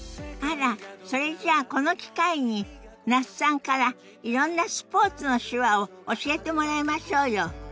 あらそれじゃあこの機会に那須さんからいろんなスポーツの手話を教えてもらいましょうよ。